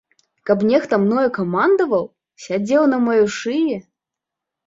Каб нехта мною камандаваў, сядзеў на маёй шыі.